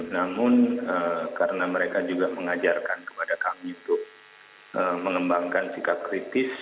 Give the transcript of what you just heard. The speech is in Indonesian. namun karena mereka juga mengajarkan kepada kami untuk mengembangkan sikap kritis